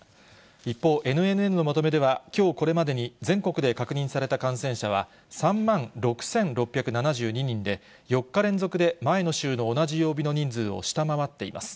一方、ＮＮＮのまとめでは、きょうこれまでに全国で確認された感染者は、３万６６７２人で、４日連続で前の週の同じ曜日の人数を下回っています。